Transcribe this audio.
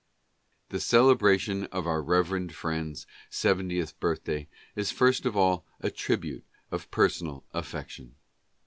The celebration of our revered friend's seventieth birthday is first of all a tribute of personal affection.